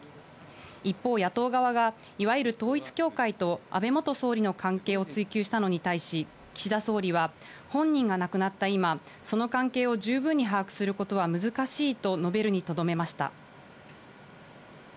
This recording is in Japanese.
一方、野党側が、いわゆる統一教会と安倍元総理の関係を追及したのに対し、岸田総理は、本人が亡くなった今、その関係を十分に把握することは難しいと述べるにとどめました。